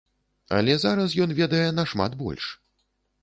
Але зараз ён ведае нашмат больш.